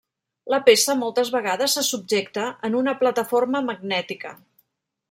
La peça moltes vegades se subjecta en una plataforma magnètica.